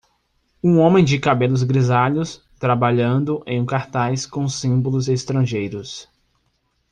Um homem de cabelos grisalhos, trabalhando em um cartaz com símbolos estrangeiros.